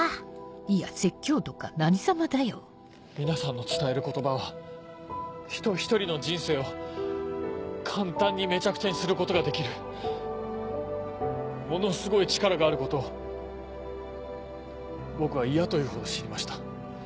皆さんの伝える言葉は人ひとりの人生を簡単にめちゃくちゃにすることができるものすごい力があることを僕は嫌というほど知りました。